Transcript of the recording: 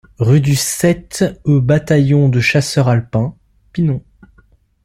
Rue du sept e Bataillon de Chasseurs Alpins, Pinon